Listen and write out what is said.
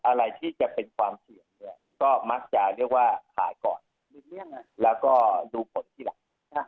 อะไรที่จะเป็นความเสี่ยงเนี่ยก็มักจะเรียกว่าขายก่อนแล้วก็ดูผลทีหลัง